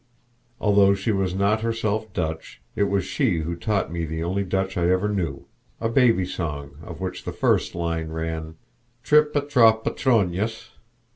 Although she was not herself Dutch, it was she who taught me the only Dutch I ever knew, a baby song of which the first line ran, "Trippe troppa tronjes."